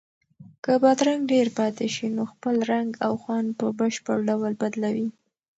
که بادرنګ ډېر پاتې شي نو خپل رنګ او خوند په بشپړ ډول بدلوي.